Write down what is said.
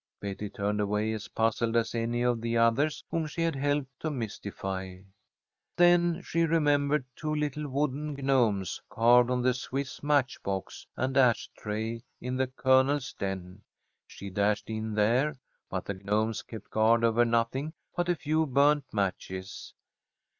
Betty turned away, as puzzled as any of the others whom she had helped to mystify. Then she remembered two little wooden gnomes carved on the Swiss match box and ash tray in the Colonel's den. She dashed in there, but the gnomes kept guard over nothing but a few burnt matches.